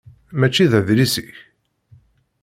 Mačči d adlis-ik?